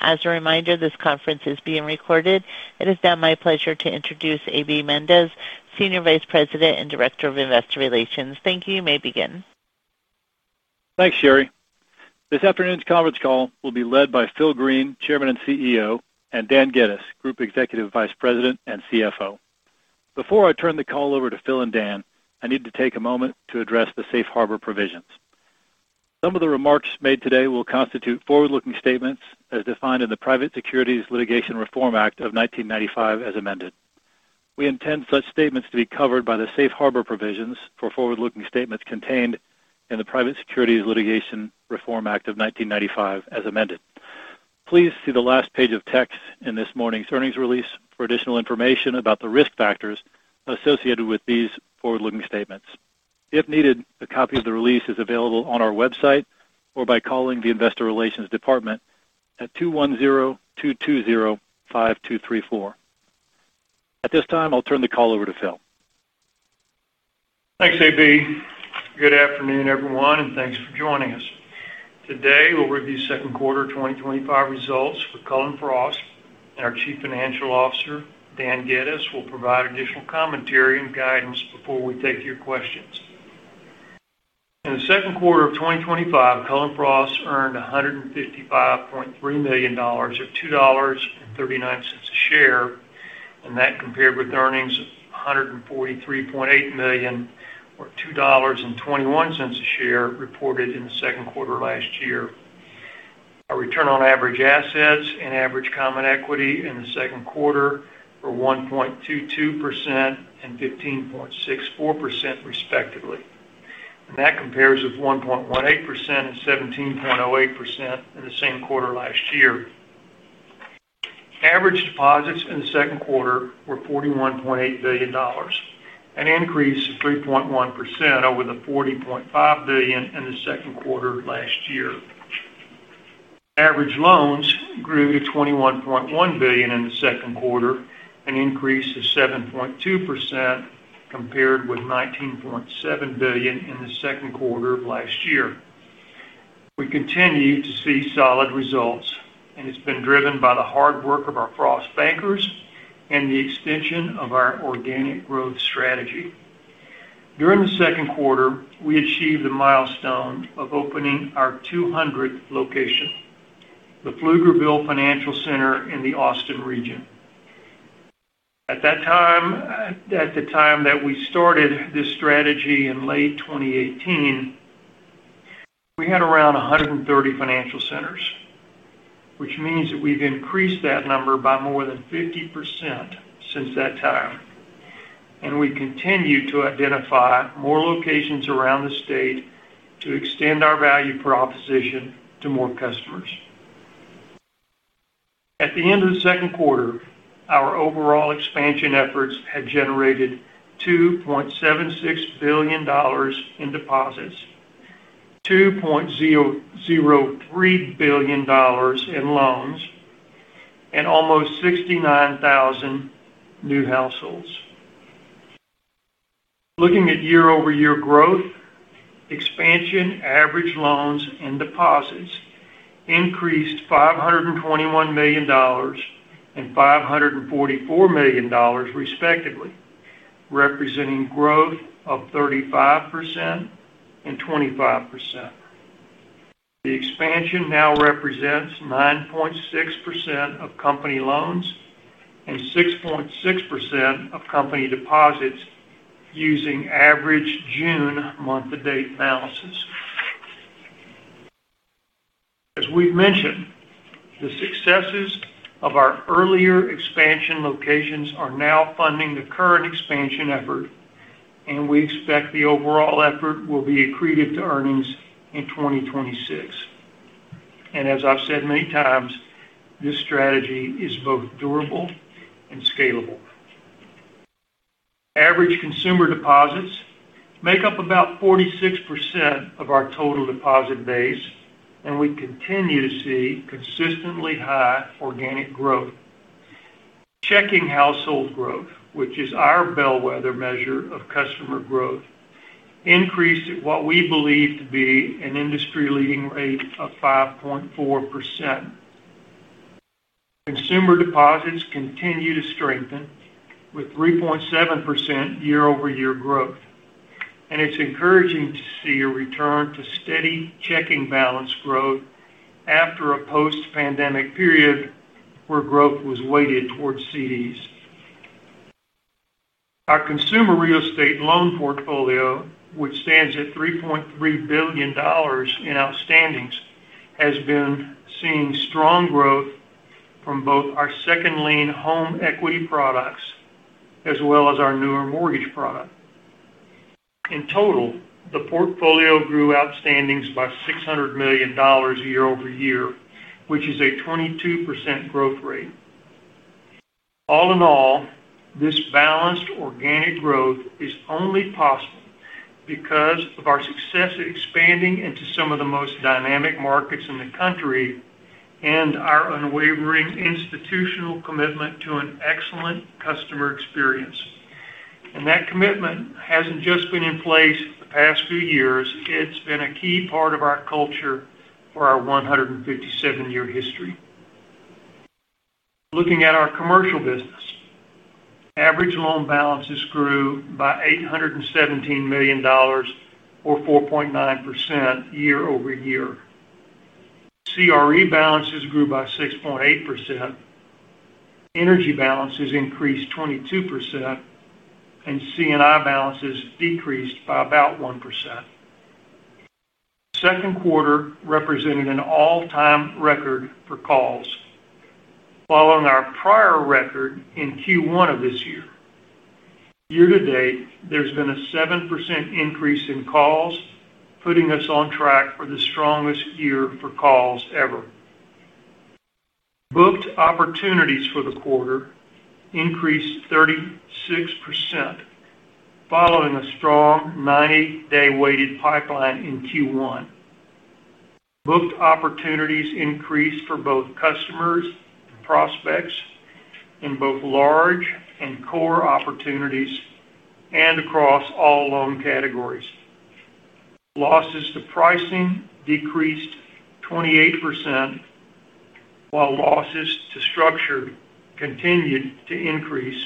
As a reminder, this conference is being recorded. It is now my pleasure to introduce A.B. Mendez, Senior Vice President and Director of Investor Relations. Thank you. You may begin. Thanks, Sherry. This afternoon's conference call will be led by Phil Green, Chairman and CEO, and Dan Geddes, Group Executive Vice President and CFO. Before I turn the call over to Phil and Dan, I need to take a moment to address the safe harbor provisions. Some of the remarks made today will constitute forward-looking statements as defined in the Private Securities Litigation Reform Act of 1995, as amended. We intend such statements to be covered by the safe harbor provisions for forward-looking statements contained in the Private Securities Litigation Reform Act of 1995, as amended. Please see the last page of text in this morning's earnings release for additional information about the risk factors associated with these forward-looking statements. If needed, a copy of the release is available on our website or by calling the Investor Relations Department at 210-220-5234. At this time, I'll turn the call over to Phil. Thanks, A.B. Good afternoon, everyone, and thanks for joining us. Today, we'll review second quarter 2025 results for Cullen/Frost, and our Chief Financial Officer, Dan Geddes, will provide additional commentary and guidance before we take your questions. In the second quarter of 2025, Cullen/Frost earned $155.3 million or $2.39 a share, and that compared with earnings of $143.8 million or $2.21 a share reported in the second quarter of last year. Our return on average assets and average common equity in the second quarter were 1.22% and 15.64%, respectively, and that compares with 1.18% and 17.08% in the same quarter last year. Average deposits in the second quarter were $41.8 billion, an increase of 3.1% over the $40.5 billion in the second quarter of last year. Average loans grew to $21.1 billion in the second quarter, an increase of 7.2%, compared with $19.7 billion in the second quarter of last year. We continue to see solid results, and it's been driven by the hard work of our Frost bankers and the extension of our organic growth strategy. During the second quarter, we achieved a milestone of opening our 200th location, the Pflugerville Financial Center in the Austin region. At that time, at the time that we started this strategy in late 2018, we had around 130 financial centers, which means that we've increased that number by more than 50% since that time, and we continue to identify more locations around the state to extend our value proposition to more customers. At the end of the second quarter, our overall expansion efforts had generated $2.76 billion in deposits, $2.003 billion in loans, and almost 69,000 new households. Looking at year-over-year growth, expansion, average loans and deposits increased $521 million and $544 million, respectively, representing growth of 35% and 25%. The expansion now represents 9.6% of company loans and 6.6% of company deposits using average June month to date balances. As we've mentioned, the successes of our earlier expansion locations are now funding the current expansion effort, and we expect the overall effort will be accretive to earnings in 2026. As I've said many times, this strategy is both durable and scalable. Average consumer deposits make up about 46% of our total deposit base, and we continue to see consistently high organic growth. Checking household growth, which is our bellwether measure of customer growth, increased at what we believe to be an industry-leading rate of 5.4%. Consumer deposits continue to strengthen with 3.7% year-over-year growth, and it's encouraging to see a return to steady checking balance growth after a post-pandemic period where growth was weighted towards CDs. Our consumer real estate loan portfolio, which stands at $3.3 billion in outstandings, has been seeing strong growth from both our second lien home equity products as well as our newer mortgage product. In total, the portfolio grew outstandings by $600 million year-over-year, which is a 22% growth rate. All in all, this balanced organic growth is only possible because of our success at expanding into some of the most dynamic markets in the country and our unwavering institutional commitment to an excellent customer experience. That commitment hasn't just been in place for the past few years, it's been a key part of our culture for our 157-year history. Looking at our Commercial business, average loan balances grew by $817 million or 4.9% year-over-year. CRE balances grew by 6.8%, energy balances increased 22%, and C&I balances decreased by about 1%. Second quarter represented an all-time record for calls, following our prior record in Q1 of this year. Year to date, there's been a 7% increase in calls, putting us on track for the strongest year for calls ever. Booked opportunities for the quarter increased 36%, following a strong 90-day weighted pipeline in Q1. Booked opportunities increased for both customers and prospects in both large and core opportunities and across all loan categories. Losses to pricing decreased 28%, while losses to structure continued to increase,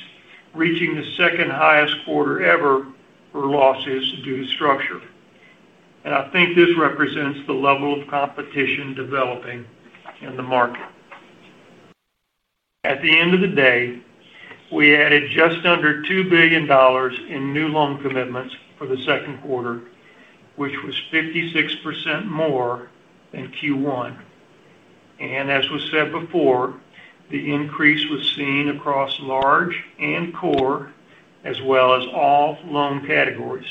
reaching the second highest quarter ever for losses due to structure. I think this represents the level of competition developing in the market. At the end of the day, we added just under $2 billion in new loan commitments for the second quarter, which was 56% more than Q1. As was said before, the increase was seen across large and core, as well as all loan categories.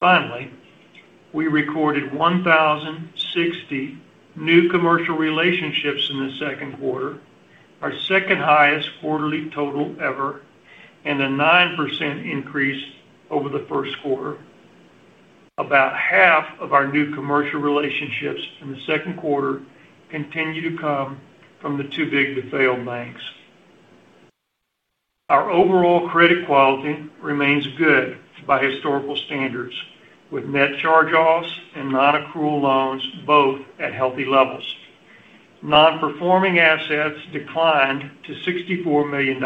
Finally, we recorded 1,060 new commercial relationships in the second quarter, our second highest quarterly total ever, and a 9% increase over the first quarter. About half of our new commercial relationships in the second quarter continue to come from the Too Big to Fail banks. Our overall credit quality remains good by historical standards, with net charge-offs and non-accrual loans both at healthy levels. Non-performing assets declined to $64 million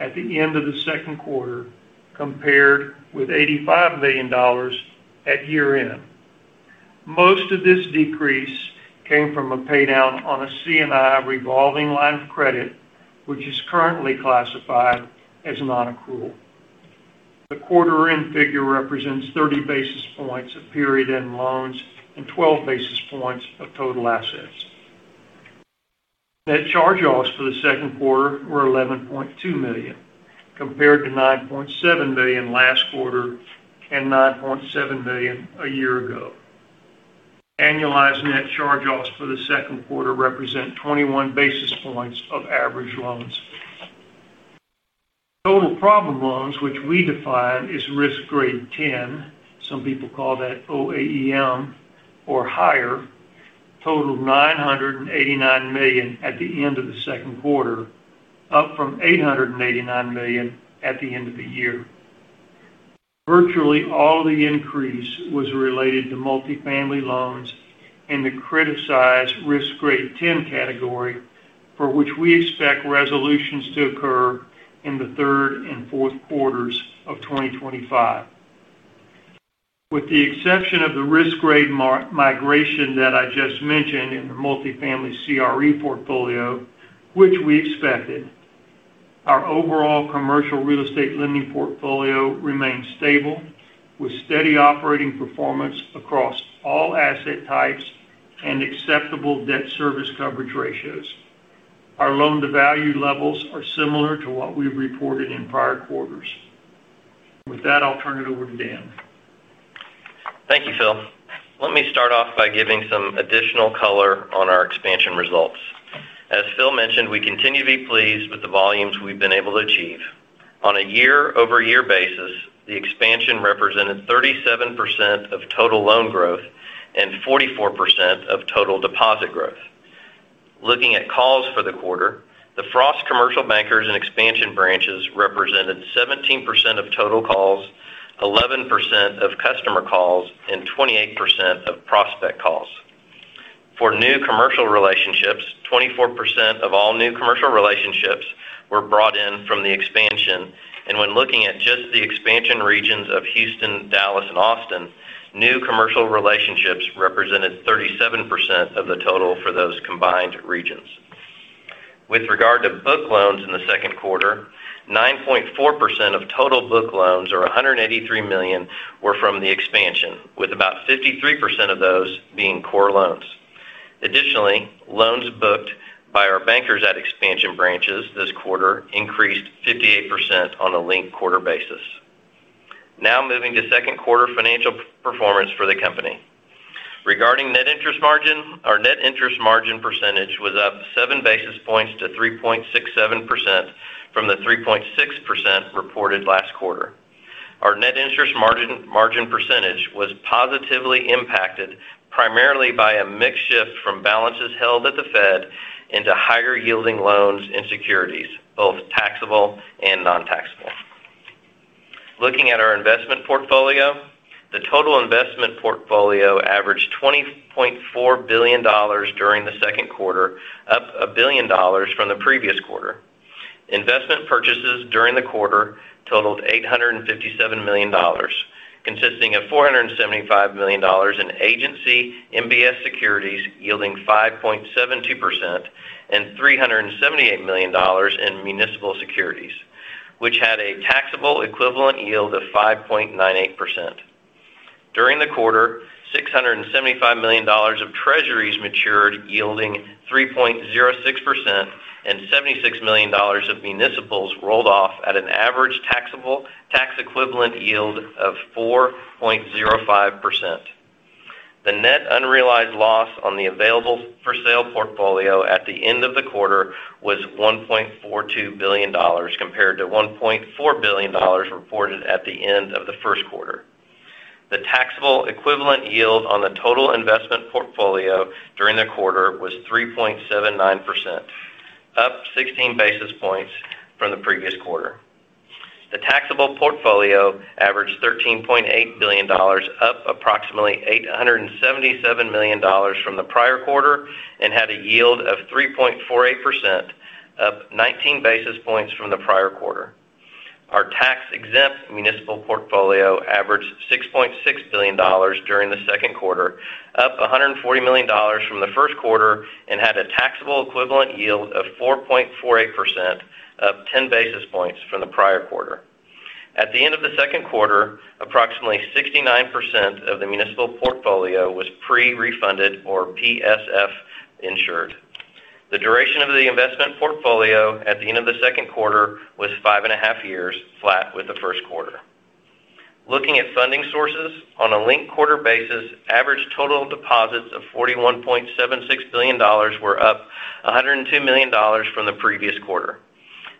at the end of the second quarter, compared with $85 million at year-end. Most of this decrease came from a paydown on a C&I revolving line of credit, which is currently classified as non-accrual. The quarter-end figure represents 30 basis points of period-end loans and 12 basis points of total assets. Net charge-offs for the second quarter were $11.2 million, compared to $9.7 million last quarter and $9.7 million a year ago. Annualized net charge-offs for the second quarter represent 21 basis points of average loans. Total problem loans, which we define as Risk Grade 10, some people call that OAEM or higher, totaled $989 million at the end of the second quarter, up from $889 million at the end of the year. Virtually all the increase was related to multifamily loans in the criticized Risk Grade 10 category, for which we expect resolutions to occur in the third and fourth quarters of 2025. With the exception of the risk grade migration that I just mentioned in the multifamily CRE portfolio, which we expected, our overall commercial real estate lending portfolio remains stable, with steady operating performance across all asset types and acceptable debt service coverage ratios. Our loan-to-value levels are similar to what we've reported in prior quarters. With that, I'll turn it over to Dan. Thank you, Phil. Let me start off by giving some additional color on our expansion results. As Phil mentioned, we continue to be pleased with the volumes we've been able to achieve. On a year-over-year basis, the expansion represented 37% of total loan growth and 44% of total deposit growth. Looking at calls for the quarter, the Frost commercial bankers and expansion branches represented 17% of total calls, 11% of customer calls, and 28% of prospect calls. For new commercial relationships, 24% of all new commercial relationships were brought in from the expansion, and when looking at just the expansion regions of Houston, Dallas and Austin, new commercial relationships represented 37% of the total for those combined regions. With regard to booked loans in the second quarter, 9.4% of total booked loans, or $183 million, were from the expansion, with about 53% of those being core loans. Additionally, loans booked by our bankers at expansion branches this quarter increased 58% on a linked-quarter basis. Now moving to second quarter financial performance for the company. Regarding net interest margin, our net interest margin percentage was up 7 basis points to 3.67% from the 3.6% reported last quarter, interest margin, margin percentage was positively impacted primarily by a mix shift from balances held at the Fed into higher yielding loans and securities, both taxable and non-taxable. Looking at our investment portfolio, the total investment portfolio averaged $20.4 billion during the second quarter, up $1 billion from the previous quarter. Investment purchases during the quarter totaled $857 million, consisting of $475 million in agency MBS securities, yielding 5.72%, and $378 million in municipal securities, which had a taxable equivalent yield of 5.98%. During the quarter, $675 million of treasuries matured, yielding 3.06%, and $76 million of municipals rolled off at an average taxable equivalent yield of 4.05%. The net unrealized loss on the available for sale portfolio at the end of the quarter was $1.42 billion, compared to $1.4 billion reported at the end of the first quarter. The taxable equivalent yield on the total investment portfolio during the quarter was 3.79%, up 16 basis points from the previous quarter. The taxable portfolio averaged $13.8 billion, up approximately $877 million from the prior quarter, and had a yield of 3.48%, up 19 basis points from the prior quarter. Our tax-exempt municipal portfolio averaged $6.6 billion during the second quarter, up $140 million from the first quarter, and had a taxable equivalent yield of 4.48%, up 10 basis points from the prior quarter. At the end of the second quarter, approximately 69% of the municipal portfolio was pre-refunded or PSF insured. The duration of the investment portfolio at the end of the second quarter was 5.5 years, flat with the first quarter. Looking at funding sources, on a linked-quarter basis, average total deposits of $41.76 billion were up $102 million from the previous quarter.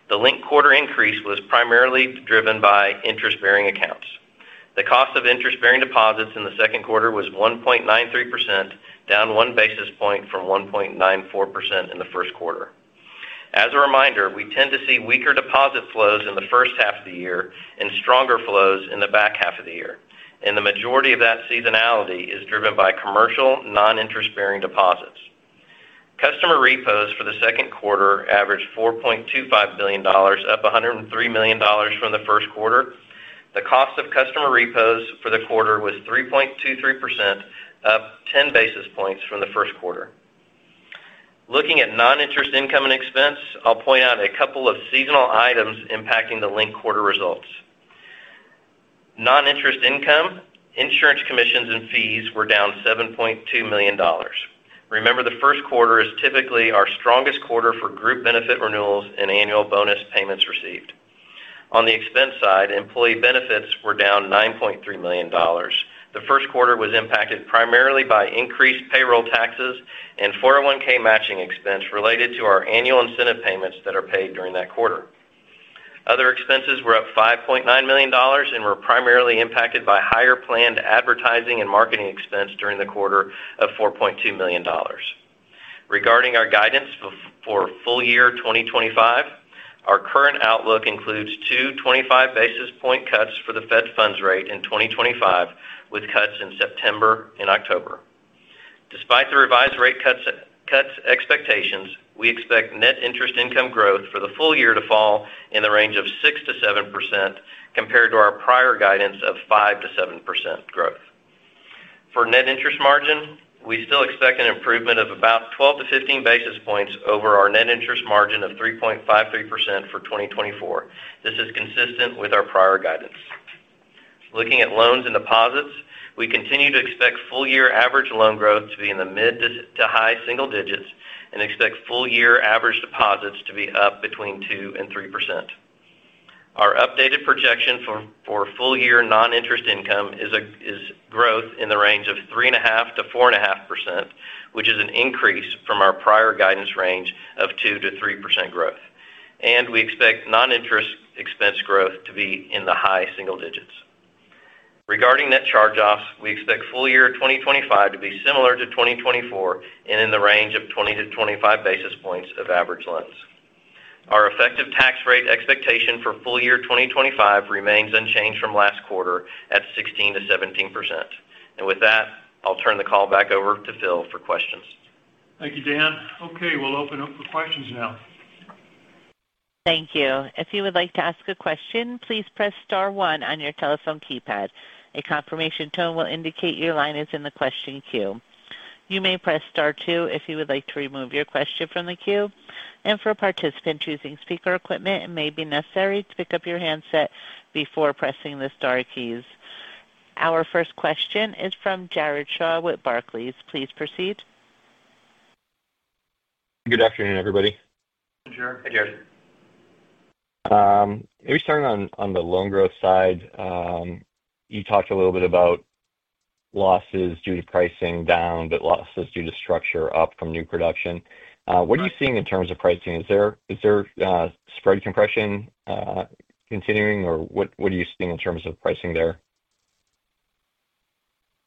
The linked-quarter increase was primarily driven by interest-bearing accounts. The cost of interest-bearing deposits in the second quarter was 1.93%, down one basis point from 1.94% in the first quarter. As a reminder, we tend to see weaker deposit flows in the first half of the year and stronger flows in the back half of the year, and the majority of that seasonality is driven by commercial non-interest-bearing deposits. Customer repos for the second quarter averaged $4.25 billion, up $103 million from the first quarter. The cost of customer repos for the quarter was 3.23%, up 10 basis points from the first quarter. Looking at non-interest income and expense, I'll point out a couple of seasonal items impacting the linked quarter results. Non-interest income, insurance commissions and fees were down $7.2 million. Remember, the first quarter is typically our strongest quarter for group benefit renewals and annual bonus payments received. On the expense side, employee benefits were down $9.3 million. The first quarter was impacted primarily by increased payroll taxes and 401(k) matching expense related to our annual incentive payments that are paid during that quarter. Other expenses were up $5.9 million and were primarily impacted by higher planned advertising and marketing expense during the quarter of $4.2 million. Regarding our guidance for full year 2025, our current outlook includes two 25 basis point cuts for the Fed funds rate in 2025, with cuts in September and October. Despite the revised rate cuts, cuts expectations, we expect net interest income growth for the full year to fall in the range of 6%-7%, compared to our prior guidance of 5%-7% growth. For net interest margin, we still expect an improvement of about 12-15 basis points over our net interest margin of 3.53% for 2024. This is consistent with our prior guidance. Looking at loans and deposits, we continue to expect full-year average loan growth to be in the mid- to high-single digits, and expect full-year average deposits to be up between 2% and 3%. Our updated projection for full-year non-interest income is growth in the range of 3.5%-4.5%, which is an increase from our prior guidance range of 2%-3% growth, and we expect non-interest expense growth to be in the high single digits. Regarding net charge-offs, we expect full-year 2025 to be similar to 2024 and in the range of 20-25 basis points of average loans. Our effective tax rate expectation for full-year 2025 remains unchanged from last quarter at 16%-17%. With that, I'll turn the call back over to Phil for questions. Thank you, Dan. Okay, we'll open up for questions now. Thank you. If you would like to ask a question, please press star one on your telephone keypad. A confirmation tone will indicate your line is in the question queue. You may press star two if you would like to remove your question from the queue, and for a participant choosing speaker equipment, it may be necessary to pick up your handset before pressing the star keys. Our first question is from Jared Shaw with Barclays. Please proceed. Good afternoon, everybody. Hi, Jared. Hi, Jared. Maybe starting on the loan growth side. You talked a little bit about losses due to pricing down, but losses due to structure up from new production. What are you seeing in terms of pricing? Is there spread compression continuing, or what are you seeing in terms of pricing there?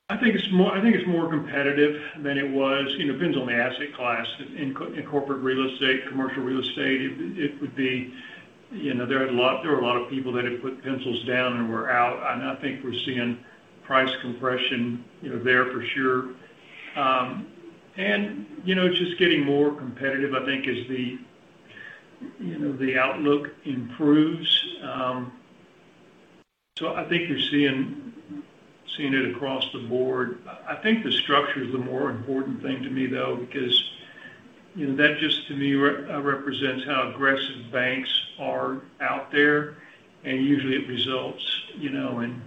I think it's more, I think it's more competitive than it was. You know, depends on the asset class. In commercial real estate, it would be, you know, there were a lot of people that had put pencils down and were out. And I think we're seeing price compression, you know, there for sure. And, you know, it's just getting more competitive, I think, as the, you know, the outlook improves. So I think you're seeing it across the board. I think the structure is the more important thing to me, though, because, you know, that just to me represents how aggressive banks are out there, and usually it results, you know, in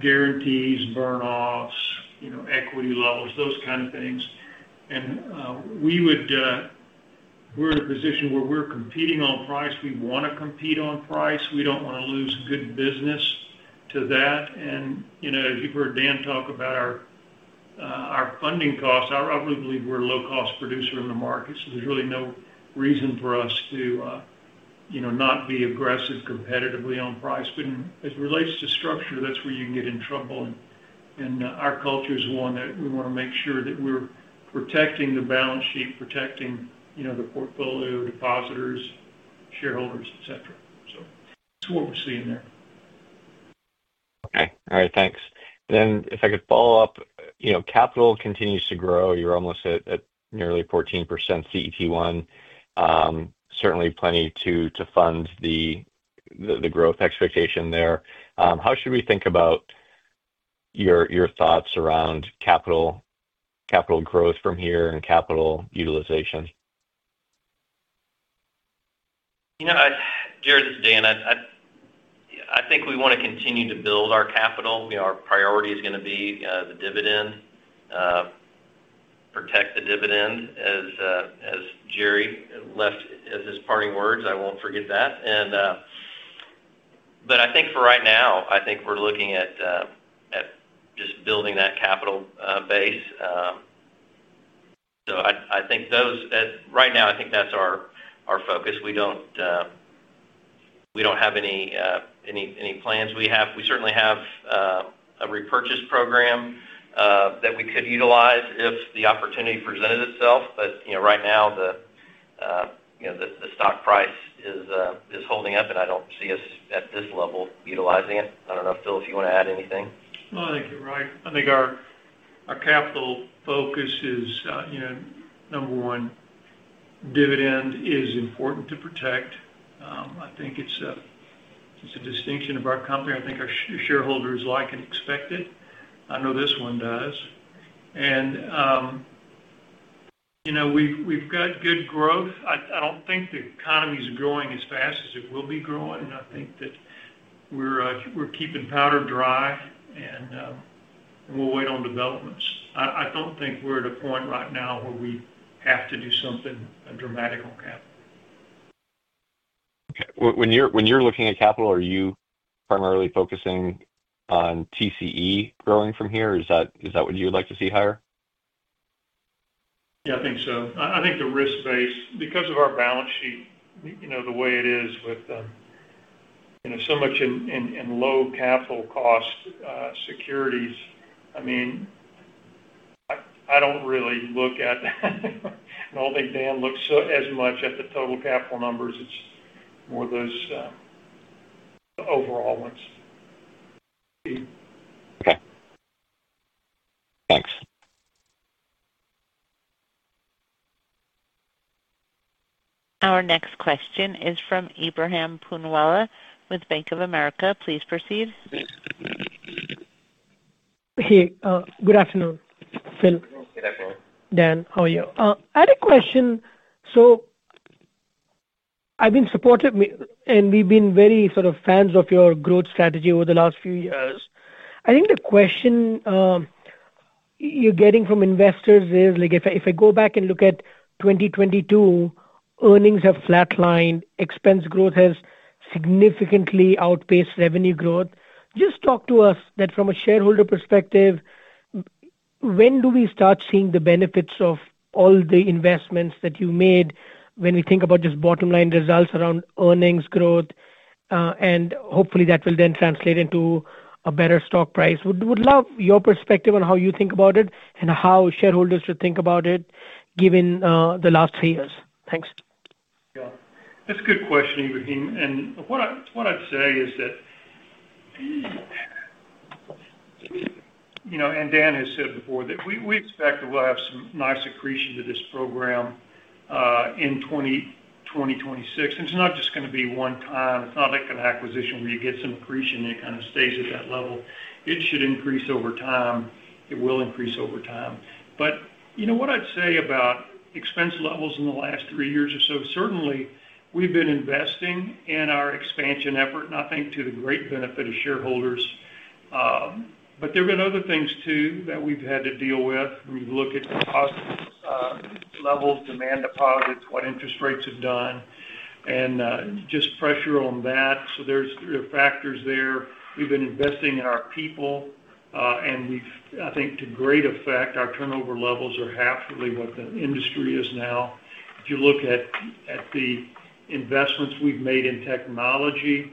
guarantees, burn-offs, you know, equity levels, those kind of things. And, we would, we're in a position where we're competing on price. We want to compete on price. We don't want to lose good business to that. And, you know, you've heard Dan talk about our, our funding costs. I, I really believe we're a low-cost producer in the market, so there's really no reason for us to, you know, not be aggressive competitively on price. But as it relates to structure, that's where you can get in trouble, and, and our culture is one that we want to make sure that we're protecting the balance sheet, protecting, you know, the portfolio, depositors, shareholders, et cetera. So that's what we're seeing there. Okay. All right, thanks. Then if I could follow up, you know, capital continues to grow. You're almost at nearly 14% CET1. Certainly plenty to fund the growth expectation there. How should we think about your thoughts around capital growth from here and capital utilization? You know, Jared, this is Dan. I think we want to continue to build our capital. You know, our priority is going to be the dividend. Protect the dividend as Jerry left as his parting words, I won't forget that. But I think for right now, I think we're looking at just building that capital base. So I think right now, that's our focus. We don't have any plans. We certainly have a repurchase program that we could utilize if the opportunity presented itself. But, you know, right now, you know, the stock price is holding up, and I don't see us at this level utilizing it. I don't know, Phil, if you want to add anything. No, I think you're right. I think our capital focus is, you know, number one, dividend is important to protect. I think it's a distinction of our company. I think our shareholders like and expect it. I know this one does. And, you know, we've got good growth. I don't think the economy is growing as fast as it will be growing, and I think that we're keeping powder dry, and we'll wait on developments. I don't think we're at a point right now where we have to do something dramatic on capital. Okay. When you're looking at capital, are you primarily focusing on TCE growing from here? Is that what you'd like to see higher? Yeah, I think so. I think the risk base, because of our balance sheet, you know, the way it is with you know, so much in low capital cost securities, I mean, I don't really look at, I don't think Dan looks so as much at the total capital numbers. It's more those overall ones. Okay. Thanks. Our next question is from Ebrahim Poonawala with Bank of America. Please proceed. Hey, good afternoon, Phil. Good afternoon. Dan, how are you? I had a question. So I've been supportive, and we've been very sort of fans of your growth strategy over the last few years. I think the question you're getting from investors is, like, if I go back and look at 2022, earnings have flatlined, expense growth has significantly outpaced revenue growth. Just talk to us from a shareholder perspective, when do we start seeing the benefits of all the investments that you made when we think about just bottom line results around earnings growth, and hopefully that will then translate into a better stock price? Would, would love your perspective on how you think about it and how shareholders should think about it, given the last three years. Thanks. Yeah, that's a good question, Ebrahim. And what I'd say is that, you know, and Dan has said before, that we expect that we'll have some nice accretion to this program in 2026. It's not just going to be one time. It's not like an acquisition where you get some accretion, and it kind of stays at that level. It should increase over time. It will increase over time. But, you know, what I'd say about expense levels in the last three years or so, certainly, we've been investing in our expansion effort, and I think to the great benefit of shareholders. But there have been other things, too, that we've had to deal with. When you look at the cost levels, demand deposits, what interest rates have done. And just pressure on that. So there's factors there. We've been investing in our people, and we've—I think, to great effect, our turnover levels are half, really, what the industry is now. If you look at the investments we've made in technology,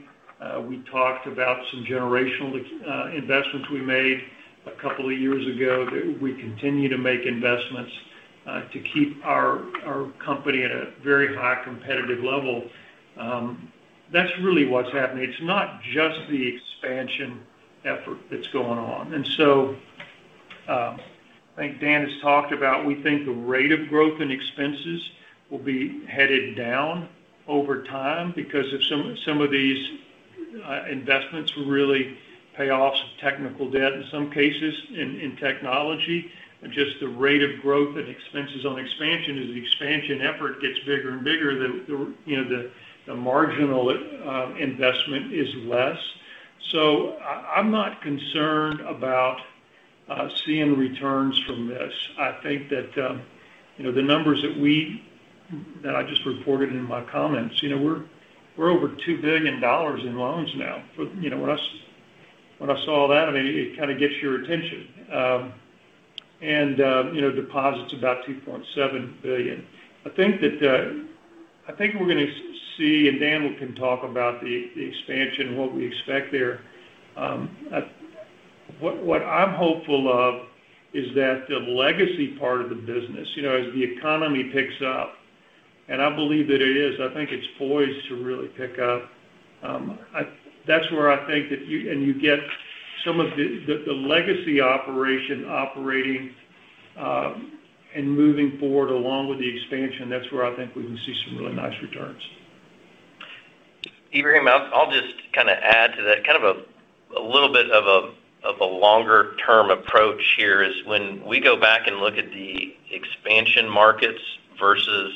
we talked about some generational investments we made a couple of years ago that we continue to make investments to keep our company at a very high competitive level. That's really what's happening. It's not just the expansion effort that's going on. And so, I think Dan has talked about. We think the rate of growth in expenses will be headed down over time because some of these investments will really pay off some technical debt, in some cases, in technology. Just the rate of growth and expenses on expansion, as the expansion effort gets bigger and bigger, you know, the marginal investment is less. So I'm not concerned about seeing returns from this. I think that, you know, the numbers that we-- that I just reported in my comments, you know, we're over $2 billion in loans now. You know, when I saw that, I mean, it kind of gets your attention. And, you know, deposits about $2.7 billion. I think that, I think we're gonna see, and Dan can talk about the expansion and what we expect there. What I'm hopeful of is that the legacy part of the business, you know, as the economy picks up, and I believe that it is, I think it's poised to really pick up. That's where I think that and you get some of the legacy operation operating, and moving forward along with the expansion, that's where I think we can see some really nice returns. Ebrahim, I'll just kind of add to that. Kind of a little bit of a longer-term approach here is when we go back and look at the expansion markets versus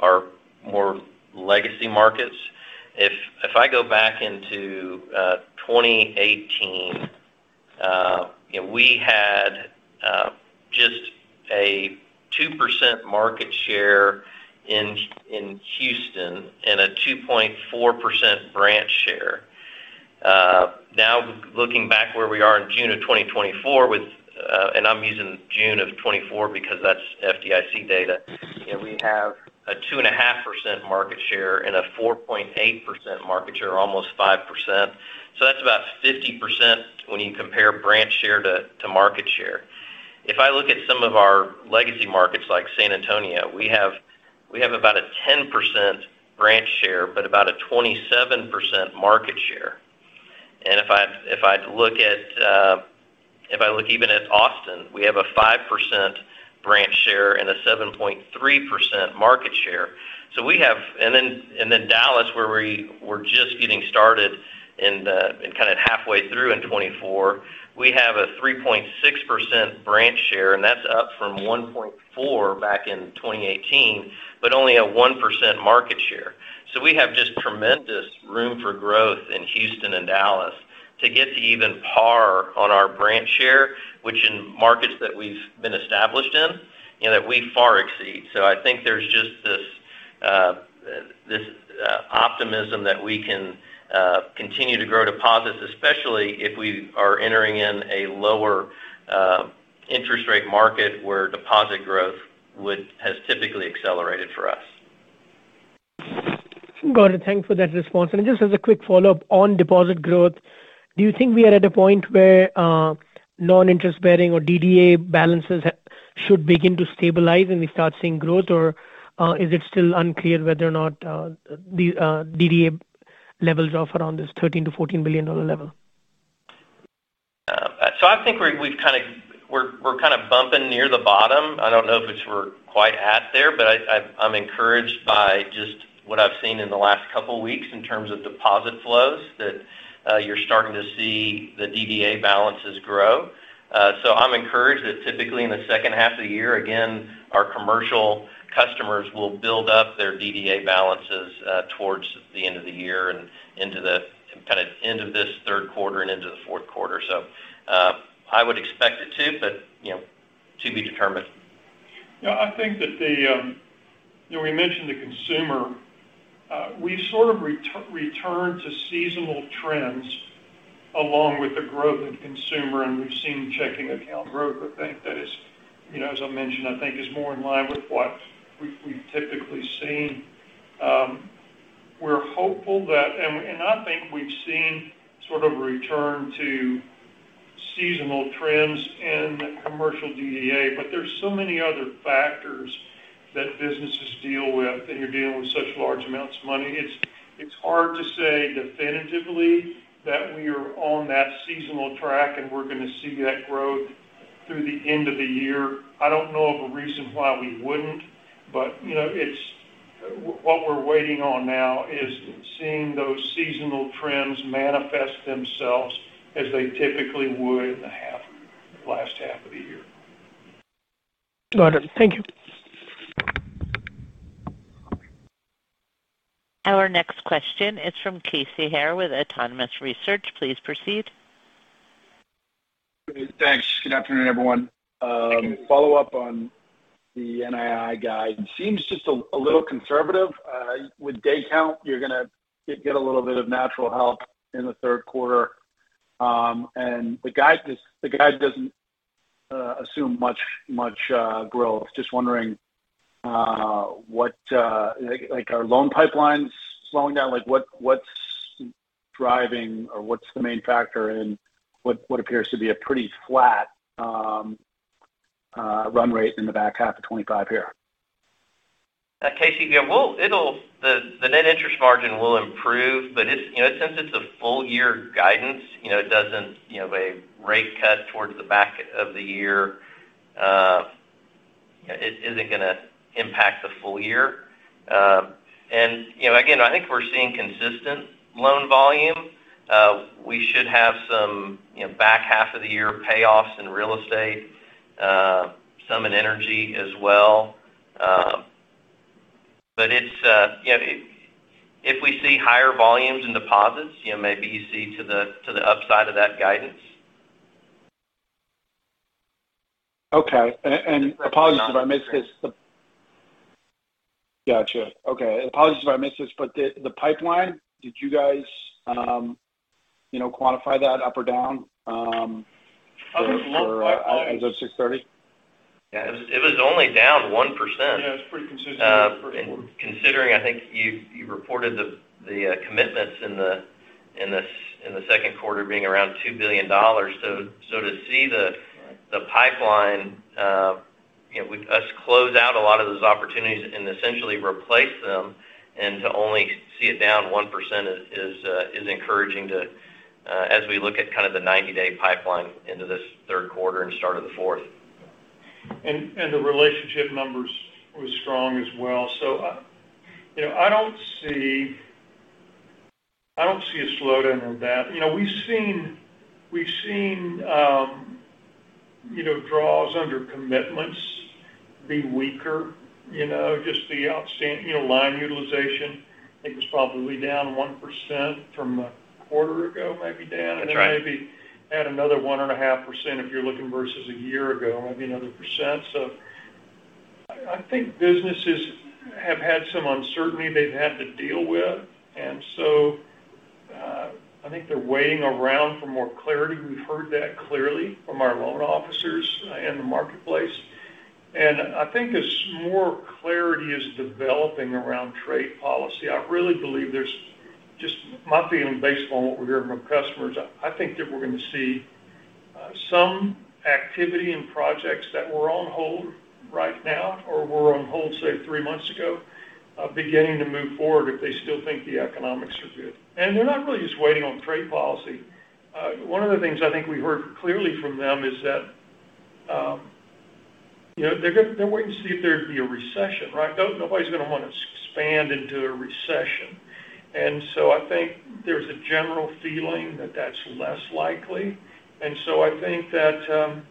our more legacy markets. If I go back into 2018, we had just a 2% market share in Houston and a 2.4% branch share. Now, looking back where we are in June 2024, and I'm using June 2024 because that's FDIC data, and we have a 2.5% market share and a 4.8% market share, almost 5%. So that's about 50% when you compare branch share to market share. If I look at some of our legacy markets, like San Antonio, we have about a 10% branch share, but about a 27% market share. And if I look even at Austin, we have a 5% branch share and a 7.3% market share. So we have and then Dallas, where we were just getting started and kind of halfway through in 2024, we have a 3.6% branch share, and that's up from 1.4% back in 2018, but only a 1% market share. So we have just tremendous room for growth in Houston and Dallas to get to even par on our branch share, which in markets that we've been established in, you know, that we far exceed. So I think there's just this optimism that we can continue to grow deposits, especially if we are entering in a lower interest rate market where deposit growth would - has typically accelerated for us. Got it. Thank you for that response. Just as a quick follow-up on deposit growth, do you think we are at a point where non-interest-bearing or DDA balances should begin to stabilize and we start seeing growth, or is it still unclear whether or not the DDA levels off around this $13 billion-$14 billion level? So I think we've kind of – we're kind of bumping near the bottom. I don't know if it's quite there, but I'm encouraged by just what I've seen in the last couple of weeks in terms of deposit flows, that you're starting to see the DDA balances grow. So I'm encouraged that typically in the second half of the year, again, our commercial customers will build up their DDA balances towards the end of the year and into the kind of end of this third quarter and into the fourth quarter. So I would expect it to, but you know, to be determined. Yeah, I think that the, you know, we mentioned the consumer, we've sort of returned to seasonal trends along with the growth in consumer, and we've seen checking account growth. I think that is, you know, as I mentioned, I think is more in line with what we've typically seen. We're hopeful that. And I think we've seen sort of a return to seasonal trends in commercial DDA, but there's so many other factors that businesses deal with, and you're dealing with such large amounts of money. It's hard to say definitively that we are on that seasonal track, and we're going to see that growth through the end of the year. I don't know of a reason why we wouldn't, but, you know, it's what we're waiting on now is seeing those seasonal trends manifest themselves as they typically would in the last half of the year. Got it. Thank you. Our next question is from Casey Haire with Autonomous Research. Please proceed. Great, thanks. Good afternoon, everyone. Follow up on the NII guide. It seems just a little conservative. With day count, you're going to get a little bit of natural help in the third quarter. And the guide is, the guide doesn't assume much growth. Just wondering, what, like, are loan pipelines slowing down? Like, what, what's driving or what's the main factor in what appears to be a pretty flat run rate in the back half of 2025 here? Casey, the net interest margin will improve, but it's, you know, since it's a full year guidance, you know, it doesn't, you know, a rate cut towards the back of the year, it isn't going to impact the full year. And, you know, again, I think we're seeing consistent loan volume. We should have some, you know, back half of the year payoffs in real estate, some in energy as well. But it's, you know, if we see higher volumes in deposits, you know, maybe you see to the upside of that guidance. Okay. And apologies if I missed this. Gotcha. Okay. Apologies if I missed this, but the pipeline, did you guys, you know, quantify that up or down, for as of 6/30? Yeah, it was, it was only down 1%. Yeah, it's pretty consistent. Considering, I think you reported the commitments in the second quarter being around $2 billion. So to see the- Right the pipeline, you know, we close out a lot of those opportunities and essentially replace them, and to only see it down 1% is encouraging, as we look at kind of the 90-day pipeline into this third quarter and start of the fourth. And the relationship numbers were strong as well. So I, you know, I don't see a slowdown in that. You know, we've seen, you know, draws under commitments be weaker, you know, just the outstanding, you know, line utilization, I think, was probably down 1% from a quarter ago, maybe down- That's right. And maybe add another 1.5% if you're looking versus a year ago, maybe another 1%. So I think businesses have had some uncertainty they've had to deal with, and so I think they're waiting around for more clarity. We've heard that clearly from our loan officers and the marketplace. And I think as more clarity is developing around trade policy, I really believe there's just my feeling, based on what we're hearing from customers, I think that we're going to see some activity and projects that were on hold right now or were on hold, say, three months ago, beginning to move forward if they still think the economics are good. And they're not really just waiting on trade policy. One of the things I think we heard clearly from them is that, you know, they're waiting to see if there'd be a recession, right? No, nobody's going to want to expand into a recession. And so I think there's a general feeling that that's less likely. And so I think that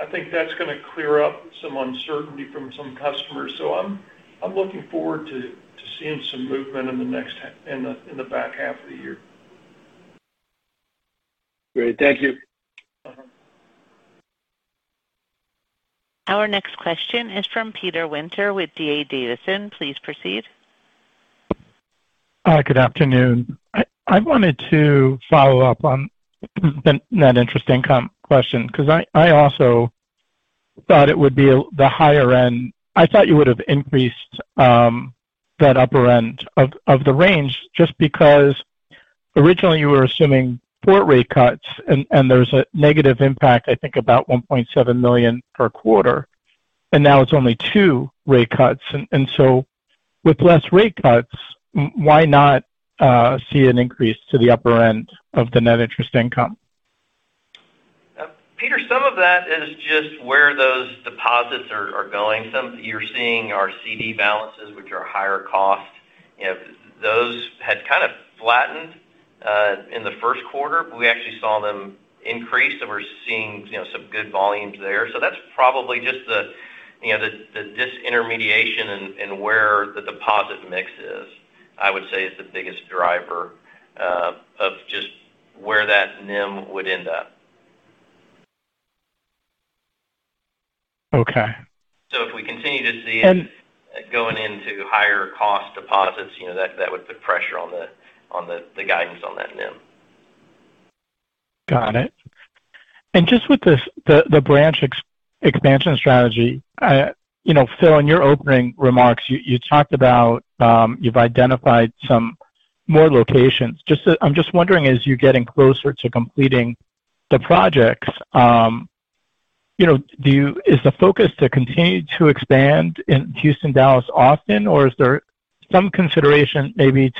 I think that's going to clear up some uncertainty from some customers. So I'm looking forward to seeing some movement in the back half of the year. Great. Thank you. Uh-huh. Our next question is from Peter Winter with D.A. Davidson. Please proceed. Good afternoon. I wanted to follow up on the net interest income question, because I also thought it would be the higher end. I thought you would have increased that upper end of the range, just because originally you were assuming four rate cuts, and there's a negative impact, I think, about $1.7 million per quarter, and now it's only two rate cuts. So with less rate cuts, why not see an increase to the upper end of the net interest income? Peter, some of that is just where those deposits are, are going. Some you're seeing are CD balances, which are higher cost. You know, those had kind of flattened, in the first quarter, but we actually saw them increase, and we're seeing, you know, some good volumes there. So that's probably just the, you know, the, the disintermediation and, and where the deposit mix is, I would say is the biggest driver, of just where that NIM would end up. Okay. So if we continue to see it- And- Going into higher cost deposits, you know, that would put pressure on the guidance on that NIM. Got it. Just with this, the branch expansion strategy, you know, Phil, in your opening remarks, you talked about you've identified some more locations. I'm just wondering, as you're getting closer to completing the projects, you know, is the focus to continue to expand in Houston, Dallas, Austin, or is there some consideration maybe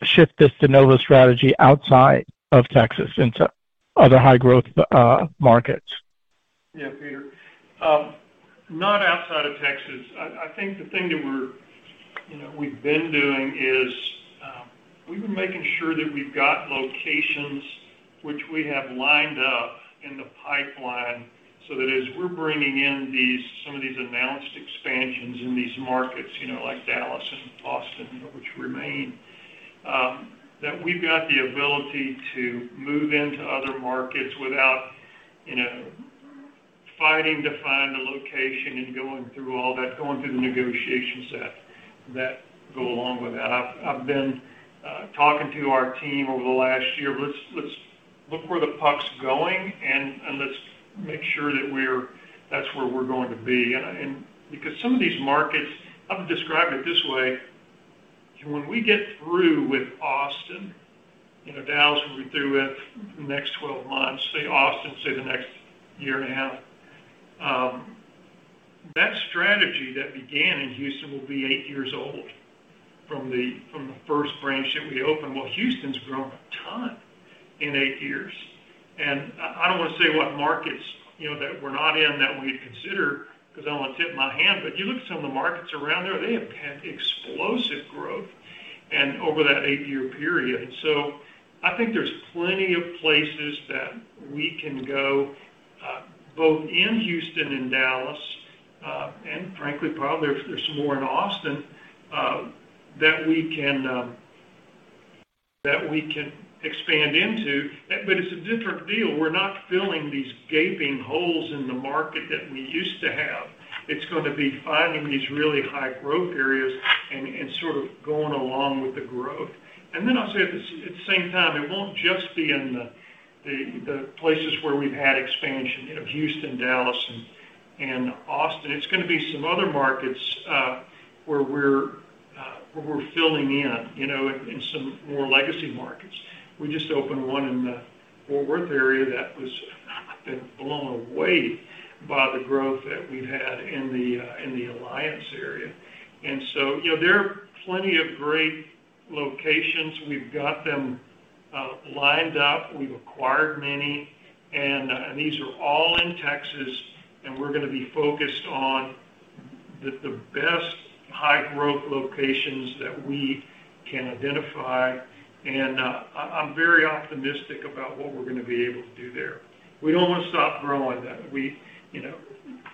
to shift this de novo strategy outside of Texas into other high-growth markets? Yeah, Peter. Not outside of Texas. I think the thing that we're, you know, we've been doing is, we've been making sure that we've got locations which we have lined up in the pipeline so that as we're bringing in these, some of these announced expansions in these markets, you know, like Dallas and Austin, that we've got the ability to move into other markets without, you know, fighting to find a location and going through all that, going through the negotiations that go along with that. I've been talking to our team over the last year. Let's look where the puck's going, and let's make sure that we're. That's where we're going to be. And because some of these markets, I would describe it this way: when we get through with Austin, you know, Dallas will be through with the next 12 months, say, Austin, say, the next year and a half, that strategy that began in Houston will be eight years old from the, from the first branch that we opened. Well, Houston's grown a ton in eight years, and I, I don't want to say what markets, you know, that we're not in, that we'd consider because I don't want to tip my hand, but you look at some of the markets around there, they have had explosive growth and over that eight-year period. So I think there's plenty of places that we can go, both in Houston and Dallas, and frankly, probably there's some more in Austin that we can expand into. But it's a different deal. We're not filling these gaping holes in the market that we used to have. It's going to be finding these really high growth areas and sort of going along with the growth. And then I'll say at the same time, it won't just be in the places where we've had expansion, you know, Houston, Dallas, and Austin. It's going to be some other markets, where we're filling in, you know, in some more legacy markets. We just opened one in the Fort Worth area. I've been blown away by the growth that we've had in the, in the Alliance area. And so, you know, there are plenty of great locations. We've got them lined up. We've acquired many, and, and these are all in Texas, and we're going to be focused on the, the best high growth locations that we can identify, and, I'm very optimistic about what we're going to be able to do there. We don't want to stop growing. We, you know,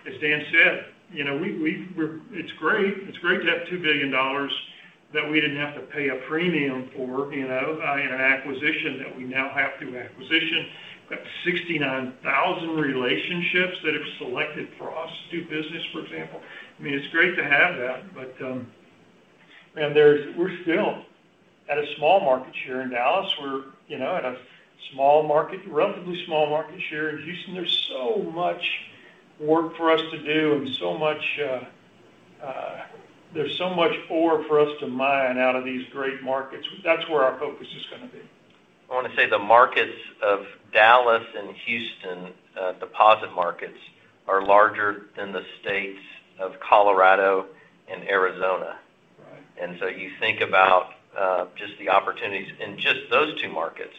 as Dan said, you know, we, we're-- it's great. It's great to have $2 billion that we didn't have to pay a premium for, you know, in an acquisition that we now have through acquisition. We've got 69,000 relationships that have selected for us to do business, for example. I mean, it's great to have that, but we're still at a small market share in Dallas. We're, you know, at a small market, relatively small market share in Houston. There's so much work for us to do and so much, there's so much ore for us to mine out of these great markets. That's where our focus is going to be. I want to say the markets of Dallas and Houston, deposit markets, are larger than the states of Colorado and Arizona. Right. And so you think about just the opportunities in just those two markets,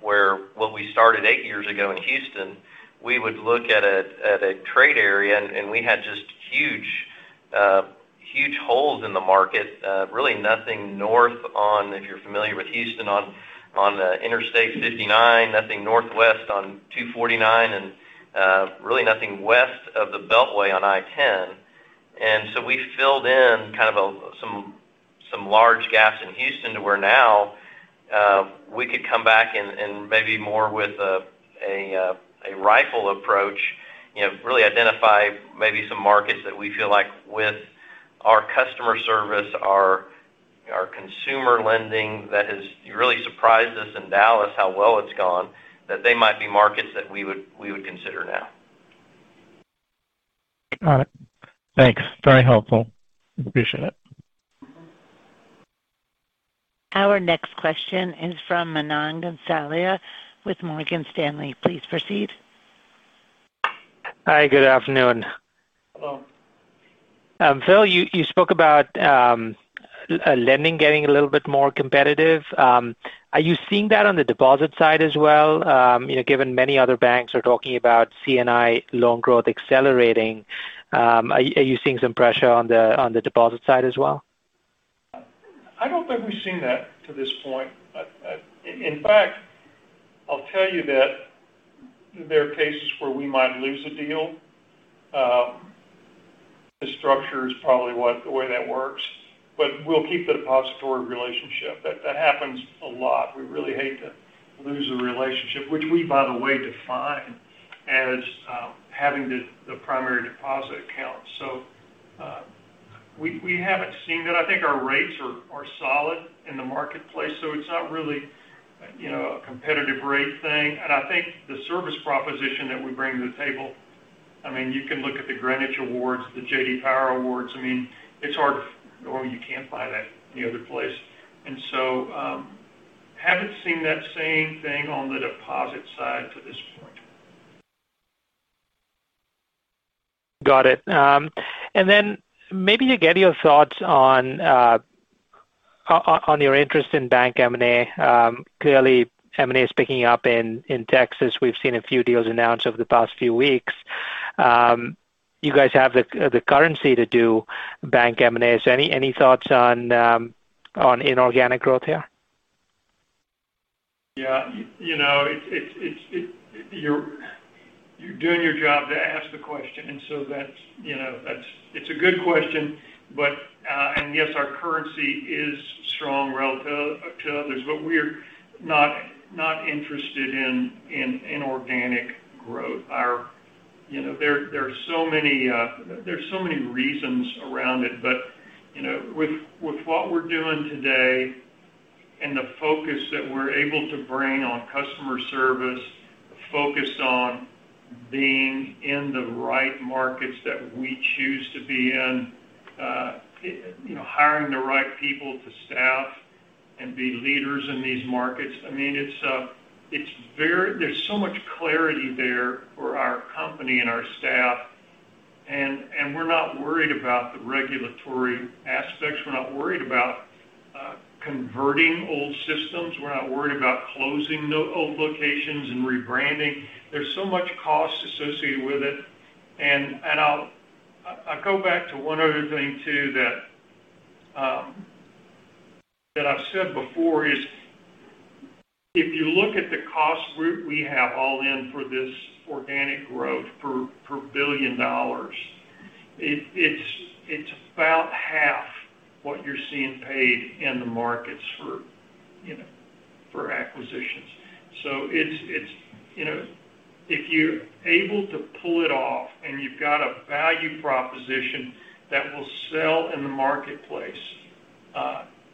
where when we started eight years ago in Houston, we would look at a trade area, and we had just huge, huge holes in the market. Really nothing north on, if you're familiar with Houston, on the Interstate 59, nothing northwest on 249, and really nothing west of the beltway on I-10. And so we filled in kind of some large gaps in Houston, to where now we could come back and maybe more with a rifle approach, you know, really identify maybe some markets that we feel like with our customer service, our consumer lending that has really surprised us in Dallas, how well it's gone, that they might be markets that we would consider now. Got it. Thanks. Very helpful. Appreciate it. Our next question is from Manan Gosalia with Morgan Stanley. Please proceed. Hi, good afternoon. Hello. Phil, you spoke about lending getting a little bit more competitive. Are you seeing that on the deposit side as well? You know, given many other banks are talking about C&I loan growth accelerating, are you seeing some pressure on the deposit side as well? I don't think we've seen that to this point. In fact, I'll tell you that there are cases where we might lose a deal. The structure is probably what, the way that works, but we'll keep the depository relationship. That, that happens a lot. We really hate to lose a relationship, which we, by the way, define as having the primary deposit account. So, we haven't seen that. I think our rates are solid in the marketplace, so it's not really, you know, a competitive rate thing. And I think the service proposition that we bring to the table, I mean, you can look at the Greenwich Awards, the J.D. Power Awards. I mean, it's hard to... Well, you can't find that any other place. And so, haven't seen that same thing on the deposit side to this point. Got it. And then maybe to get your thoughts on your interest in bank M&A. Clearly, M&A is picking up in Texas. We've seen a few deals announced over the past few weeks. You guys have the currency to do bank M&A. So any thoughts on inorganic growth here? Yeah, you know, you're doing your job to ask the question, and so that's, you know. It's a good question, but, and yes, our currency is strong relative to others, but we're not interested in organic growth. You know, there are so many reasons around it, but you know, with what we're doing today and the focus that we're able to bring on customer service, the focus on being in the right markets that we choose to be in, you know, hiring the right people to staff and be leaders in these markets, I mean, it's very. There's so much clarity there for our company and our staff, and we're not worried about the regulatory aspects. We're not worried about converting old systems, we're not worried about closing old locations and rebranding. There's so much cost associated with it. I'll go back to one other thing, too, that I've said before, is if you look at the cost we have all in for this organic growth per $1 billion, it's about half what you're seeing paid in the markets for, you know, for acquisitions. So it's, you know, if you're able to pull it off and you've got a value proposition that will sell in the marketplace,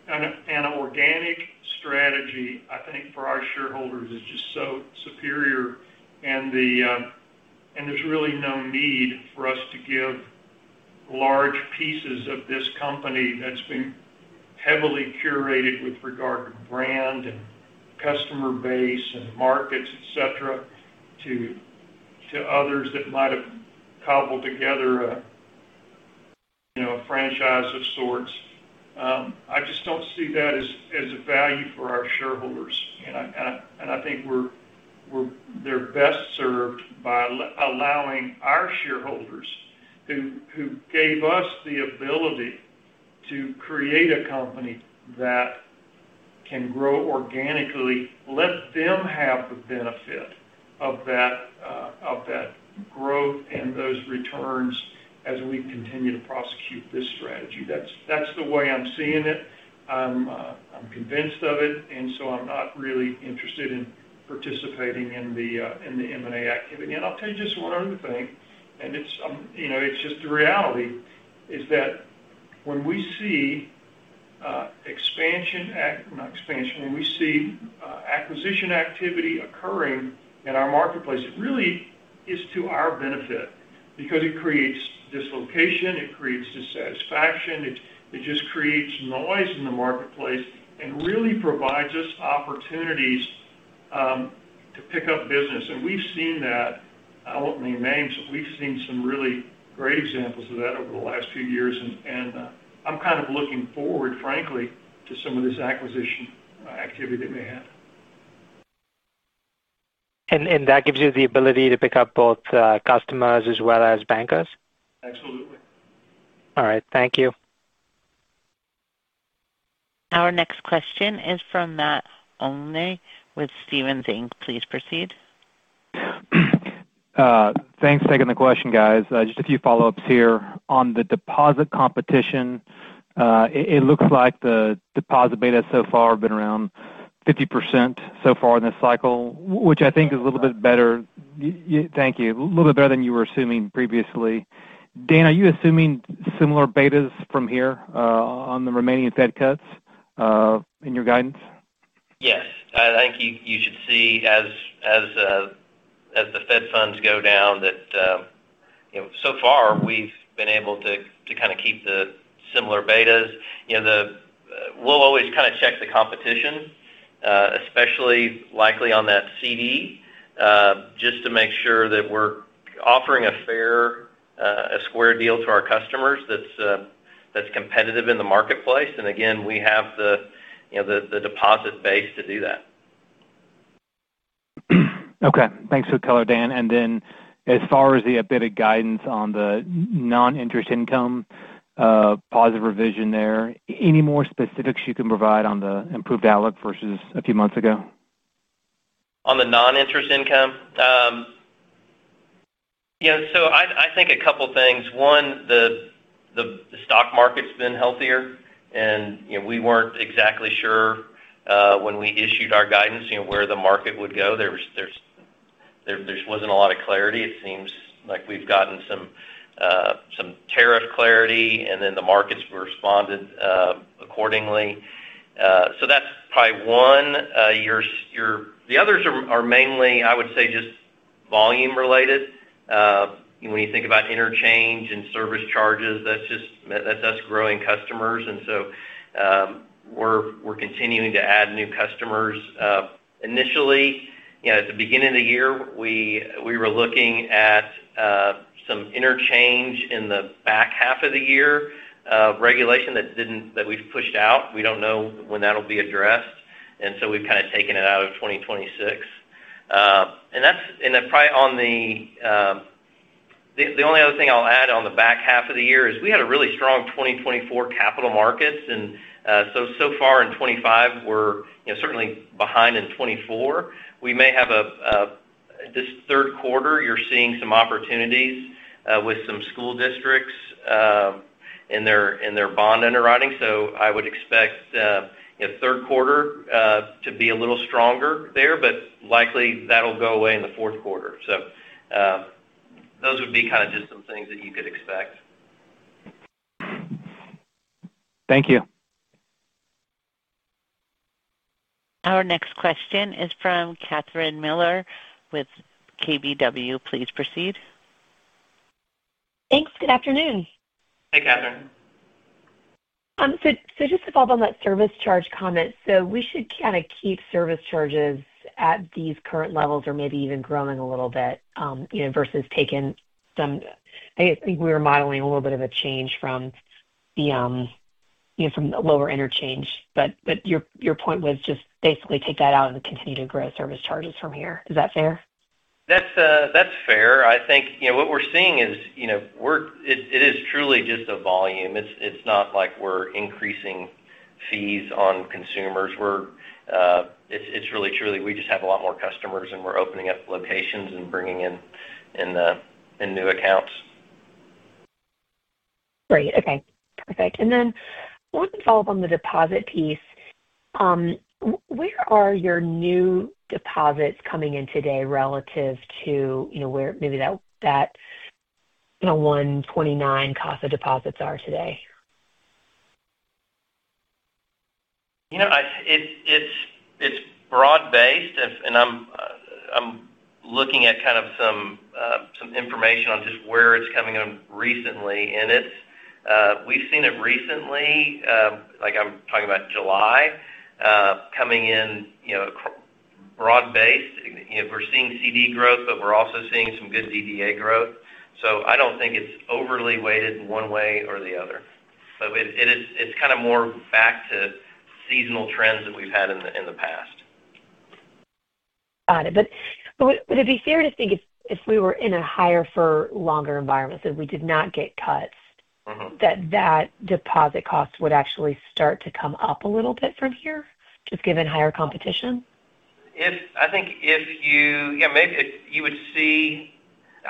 and an organic strategy, I think, for our shareholders, is just so superior, and there's really no need for us to give large pieces of this company that's been heavily curated with regard to brand and customer base and markets, et cetera, to others that might have cobbled together a, you know, a franchise of sorts. I just don't see that as a value for our shareholders, and I think we're they're best served by allowing our shareholders, who gave us the ability to create a company that can grow organically, let them have the benefit of that growth and those returns as we continue to prosecute this strategy. That's the way I'm seeing it. I'm convinced of it, and so I'm not really interested in participating in the M&A activity. I'll tell you just one other thing, and it's, you know, it's just the reality, is that when we see acquisition activity occurring in our marketplace, it really is to our benefit because it creates dislocation, it creates dissatisfaction, it just creates noise in the marketplace and really provides us opportunities to pick up business. We've seen that. I won't name names, but we've seen some really great examples of that over the last few years, and I'm kind of looking forward, frankly, to some of this acquisition activity that may happen. And that gives you the ability to pick up both, customers as well as bankers? Absolutely. All right. Thank you. Our next question is from Matt Olney with Stephens Inc. Please proceed. Thanks for taking the question, guys. Just a few follow-ups here. On the deposit competition, it looks like the deposit beta so far have been around 50% so far in this cycle, which I think is a little bit better. Thank you. A little bit better than you were assuming previously. Dan, are you assuming similar betas from here on the remaining Fed cuts in your guidance? Yes. I think you should see as the Fed funds go down, that you know, so far we've been able to kind of keep the similar betas. You know, we'll always kind of check the competition, especially likely on that CD, just to make sure that we're offering a fair a square deal to our customers that's competitive in the marketplace. And again, we have you know, the deposit base to do that. Okay. Thanks for the color, Dan. And then, as far as the EBITDA guidance on the non-interest income, positive revision there, any more specifics you can provide on the improved outlook versus a few months ago? On the non-interest income? Yeah, so I think a couple things. One, the stock market's been healthier, and, you know, we weren't exactly sure when we issued our guidance, you know, where the market would go. There wasn't a lot of clarity. It seems like we've gotten some tariff clarity, and then the markets responded accordingly. So that's probably one. The others are mainly, I would say, just volume related. When you think about interchange and service charges, that's just, that's us growing customers, and so, we're continuing to add new customers. Initially, you know, at the beginning of the year, we were looking at some interchange in the back half of the year, regulation that we've pushed out. We don't know when that'll be addressed, and so we've kind of taken it out of 2026. And that's, and then probably on the only other thing we had a really strong 2024 capital markets, and so, so far in 2025, we're, you know, certainly behind in 2024. We may have this third quarter, you're seeing some opportunities with some school districts in their bond underwriting, so I would expect, you know, third quarter to be a little stronger there, but likely that'll go away in the fourth quarter. So, those would be kind of just some things that you could expect. Thank you. Our next question is from Catherine Mealor with KBW. Please proceed. Thanks. Good afternoon. Hi, Catherine. So, just to follow up on that service charge comment, so we should kind of keep service charges at these current levels or maybe even growing a little bit, you know, versus taking some—I think we were modeling a little bit of a change from the, you know, from the lower interchange. But your point was just basically take that out and continue to grow service charges from here. Is that fair? That's, that's fair. I think, you know, what we're seeing is, you know, it is truly just a volume. It's not like we're increasing fees on consumers. It's really, truly, we just have a lot more customers, and we're opening up locations and bringing in new accounts. Great. Okay, perfect. And then I want to follow up on the deposit piece. Where are your new deposits coming in today relative to, you know, where maybe that, you know, 1.29% cost of deposits are today? You know, it's broad-based, and I'm looking at kind of some information on just where it's coming in recently, and it's we've seen it recently, like I'm talking about July coming in, you know, across broad-based. You know, we're seeing CD growth, but we're also seeing some good DDA growth, so I don't think it's overly weighted one way or the other. But it is, it's kind of more back to seasonal trends that we've had in the past. Got it. But would it be fair to think if we were in a higher for longer environment, so we did not get cuts- Mm-hmm. that deposit cost would actually start to come up a little bit from here, just given higher competition? I think if you... Yeah, maybe you would see.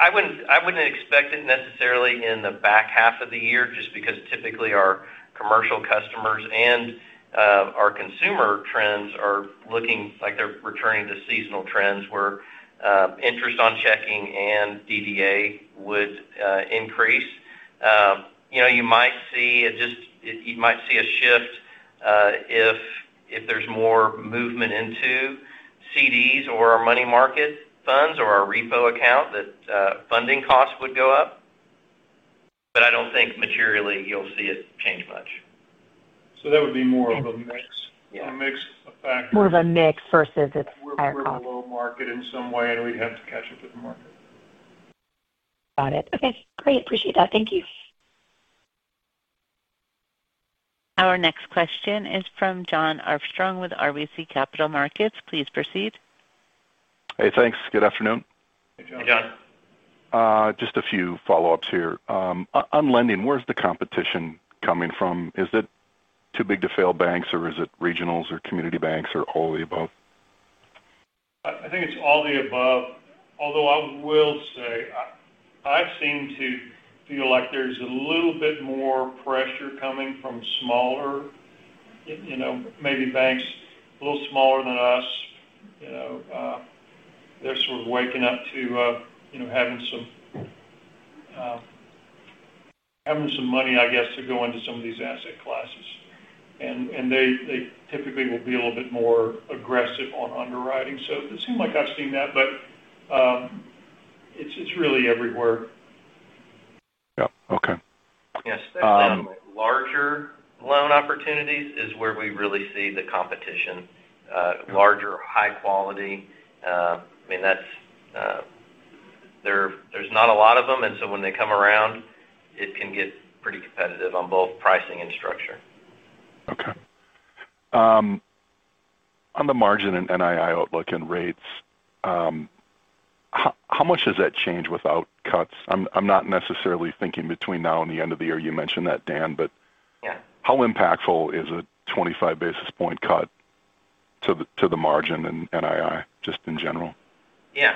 I wouldn't expect it necessarily in the back half of the year, just because typically our commercial customers and our consumer trends are looking like they're returning to seasonal trends where interest on checking and DDA would increase. You know, you might see a shift if there's more movement into CDs or our money market funds or our repo account, that funding costs would go up. But I don't think materially you'll see it change much. So that would be more of a mix- Yeah. A mix of factors. More of a mix versus it's higher cost. We're below market in some way, and we'd have to catch up with the market. Got it. Okay, great. Appreciate that. Thank you. Our next question is from Jon Arfstrom with RBC Capital Markets. Please proceed. Hey, thanks. Good afternoon. Hey, Jon. Hey, Jon. Just a few follow-ups here. On lending, where's the competition coming from? Is it too big to fail banks, or is it regionals or community banks, or all the above? I think it's all the above. Although I will say, I seem to feel like there's a little bit more pressure coming from smaller, you know, maybe banks a little smaller than us. You know, they're sort of waking up to, you know, having some money, I guess, to go into some of these asset classes, and they typically will be a little bit more aggressive on underwriting. So it seem like I've seen that, but, it's really everywhere. Yeah. Okay. Yes. Um- Larger loan opportunities is where we really see the competition, larger, high quality. I mean, that's, there, there's not a lot of them, and so when they come around, it can get pretty competitive on both pricing and structure. Okay. On the margin and NII outlook and rates, how much does that change without cuts? I'm not necessarily thinking between now and the end of the year. You mentioned that, Dan, but- Yeah. How impactful is a 25 basis point cut to the margin in NII, just in general? Yeah.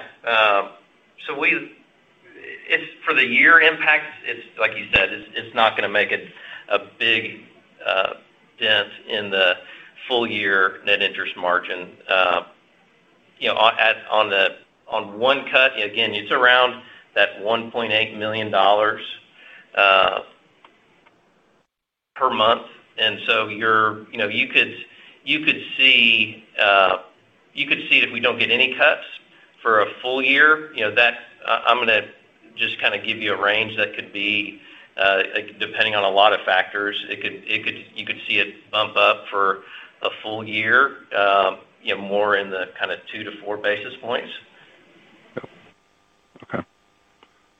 So it's, for the year impacts, it's like you said, it's not going to make it a big dent in the full year net interest margin. You know, on one cut, again, it's around that $1.8 million per month, and so you know, you could see it if we don't get any cuts for a full year, you know, that I'm gonna just kind of give you a range that could be, depending on a lot of factors, you could see it bump up for a full year, you know, more in the kind of 2-4 basis points.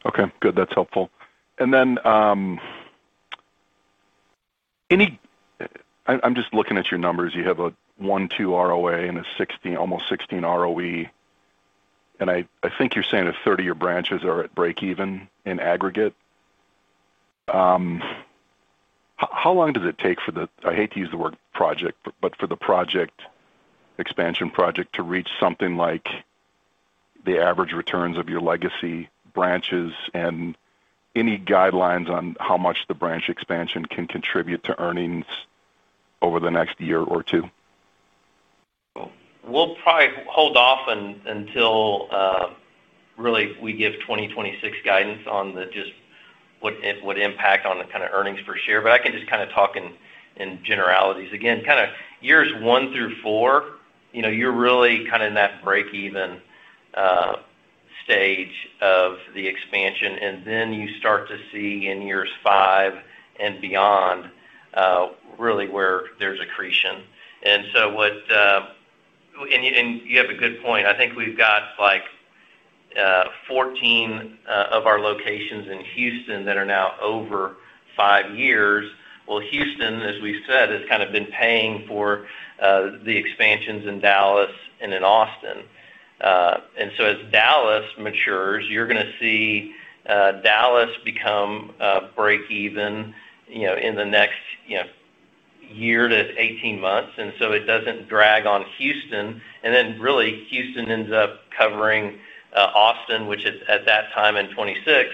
Yep. Okay. Okay, good. That's helpful. And then, I'm just looking at your numbers. You have a 1.2% ROA and a 16%, almost 16% ROE, and I think you're saying that 30 of your branches are at breakeven in aggregate. How long does it take for the, I hate to use the word project, but for the project, expansion project to reach something like the average returns of your legacy branches, and any guidelines on how much the branch expansion can contribute to earnings over the next year or two? We'll probably hold off until really we give 2026 guidance on just what it would impact on the kind of earnings per share. But I can just kind of talk in generalities. Again, kind of years one through four, you know, you're really kind of in that breakeven stage of the expansion, and then you start to see in years five and beyond really where there's accretion. And so what... And you have a good point. I think we've got, like, 14 of our locations in Houston that are now over five years. Well, Houston, as we said, has kind of been paying for the expansions in Dallas and in Austin. And so as Dallas matures, you're gonna see Dallas become breakeven, you know, in the next year to 18 months, and so it doesn't drag on Houston. And then really, Houston ends up covering Austin, which is at that time in 2026,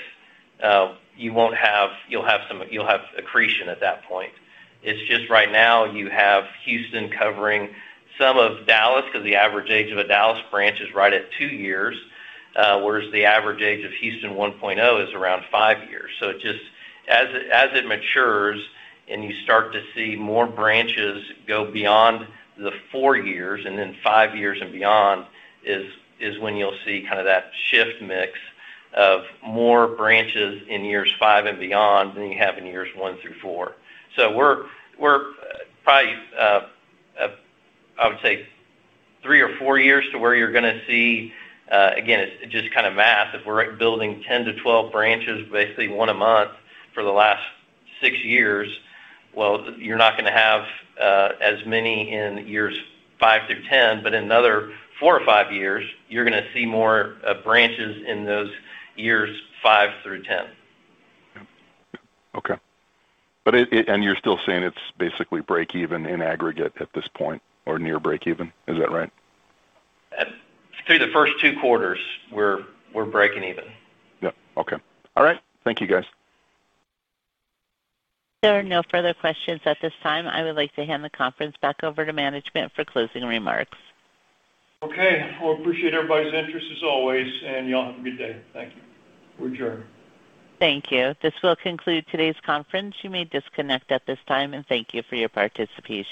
you won't have—you'll have some, you'll have accretion at that point. It's just right now, you have Houston covering some of Dallas, because the average age of a Dallas branch is right at two years, whereas the average age of Houston 1.0 is around five years. So just as it matures and you start to see more branches go beyond the four years, and then five years and beyond, is when you'll see kind of that shift mix of more branches in years five and beyond than you have in years one through four. So we're probably, I would say three or four years to where you're gonna see. Again, it's just kind of math. If we're building 10-12 branches, basically one a month, for the last six years, well, you're not gonna have as many in years five through 10, but in another four or five years, you're gonna see more branches in those years five through 10. Okay. But it-- and you're still saying it's basically breakeven in aggregate at this point or near breakeven? Is that right? Through the first two quarters, we're breaking even. Yep. Okay. All right. Thank you, guys. There are no further questions at this time. I would like to hand the conference back over to management for closing remarks. Okay. Well, appreciate everybody's interest, as always, and y'all have a good day. Thank you. We're adjourned. Thank you. This will conclude today's conference. You may disconnect at this time, and thank you for your participation.